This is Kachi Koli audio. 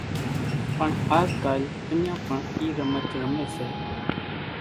پڻ آز ڪال اڃان پڻ اِي رمچ رمي سي